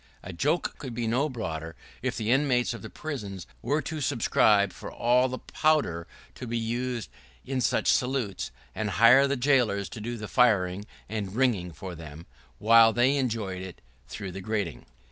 [¶12] The joke could be no broader if the inmates of the prisons were to subscribe for all the powder to be used in such salutes, and hire the jailers to do the firing and ringing for them, while they enjoyed it through the grating.